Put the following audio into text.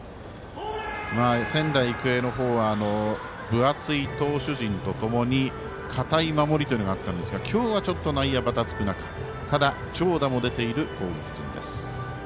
仙台育英の方は分厚い投手陣とともに堅い守りというのがあったんですが今日はちょっと内野ばたつく中ただ長打も出ている攻撃陣です。